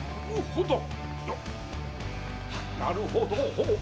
なるほど！